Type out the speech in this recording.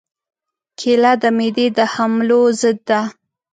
کېله د معدې د حملو ضد ده.